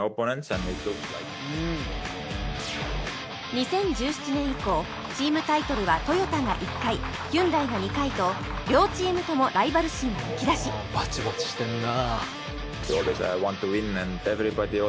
２０１７年以降チームタイトルはトヨタが１回ヒュンダイが２回と両チームともライバル心はむき出しバチバチしてんな。